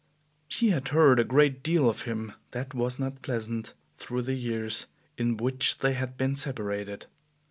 She had heard a great deal of him that was not pleasant through the years in which they had been separated.